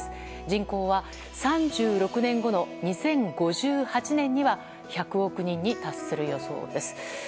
人口は３６年後の２０５８年には１００億人に達する予想です。